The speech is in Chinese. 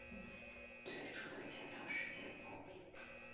最初的建造时间不明。